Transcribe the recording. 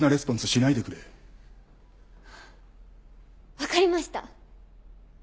わかりました。